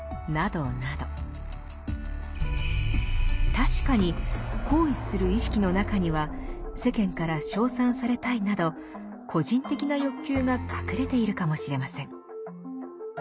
確かに行為する意識の中には世間から称賛されたいなど個人的な欲求が隠れているかもしれません。